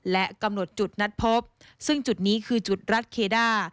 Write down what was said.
และกำหนดจุดนัดพบซึ่งจุดนี้คือจุดรัฐเคด้า